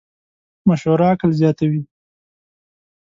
مشوره عقل زیاتوې.